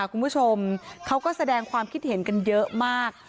คุณผู้ชมเขาก็แสดงความคิดเห็นกันเยอะมาก